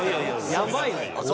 やばいね。